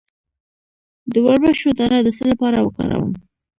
د وربشو دانه د څه لپاره وکاروم؟